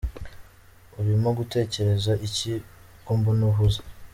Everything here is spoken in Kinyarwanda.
Urimo gutekereza iki ko mbona uhuze?